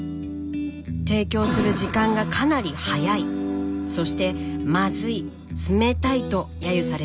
提供する時間がかなり早いそしてまずい冷たいと揶揄されていました。